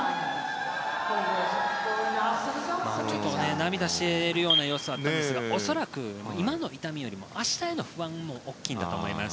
ちょっと涙しているような様子があったんですが恐らく、今の痛みよりも明日への不安も大きいんだと思います。